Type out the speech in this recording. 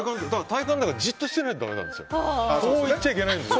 体幹だからじっとしてないとダメなんです。